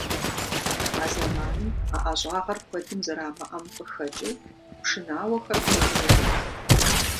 А зэманым а ӀэщӀагъэр куэдым зэрамыӀэм къыхэкӀыу, пшынауэхэр гугъу ехьырт.